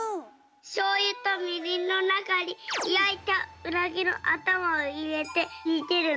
しょうゆとみりんのなかにやいたうなぎのあたまをいれてにてるの。